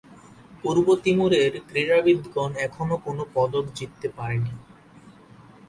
পূর্ব তিমুরের ক্রীড়াবিদগণ এখনো কোন পদক জিততে পারেনি।